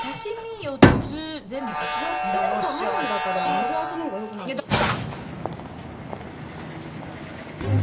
盛り合わせのほうがよくないですか？